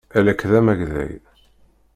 Alak d amagday.